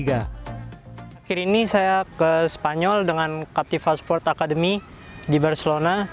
akhir ini saya ke spanyol dengan captival sport academy di barcelona